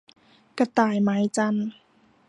กระต่ายหมายจันทร์